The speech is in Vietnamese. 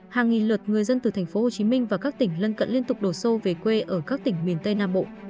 hàng nghìn lượt người dân từ thành phố hồ chí minh và các tỉnh lân cận liên tục đổ xô về quê ở các tỉnh miền tây nam bộ